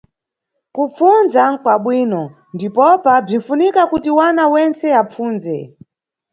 Kupfundza nʼkwabwino, ndipopa bzinʼfunika kuti wana wentse apfundze